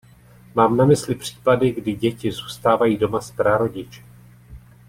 Mám na mysli případy, kdy děti zůstávají doma s prarodiči.